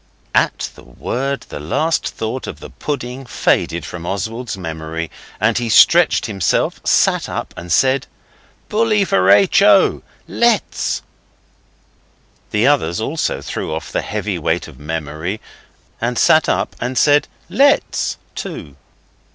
At the word the last thought of the pudding faded from Oswald's memory, and he stretched himself, sat up, and said 'Bully for H. O. Let's!' The others also threw off the heavy weight of memory, and sat up and said 'Let's!' too.